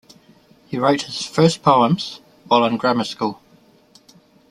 He wrote his first poems while in grammar school.